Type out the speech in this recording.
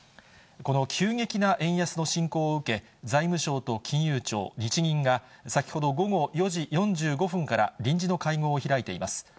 この急激な円安の進行を受け、財務省と金融庁、日銀が先ほど午後４時４５分から臨時の会合を開いています。